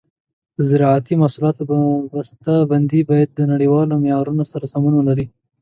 د زراعتي محصولاتو بسته بندي باید د نړیوالو معیارونو سره سمون ولري.